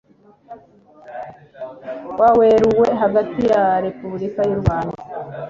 wa werurwe hagati ya repubulika y u